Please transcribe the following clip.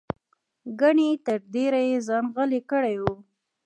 ګنې تر ډېره یې ځان غلی کړی و.